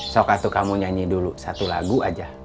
sokatu kamu nyanyi dulu satu lagu aja